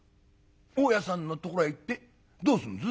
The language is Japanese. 「大家さんのところへ行ってどうすんです？」。